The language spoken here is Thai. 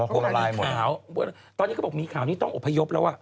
พวกมีข่าวตอนนี้เขาบอกมีข่าวนี้ต้องอบพยพแล้ว